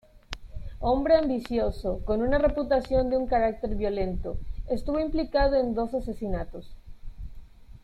Hombre ambicioso, con una reputación de un carácter violento, estuvo implicado en dos asesinatos.